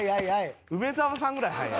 「梅沢さんぐらい速い」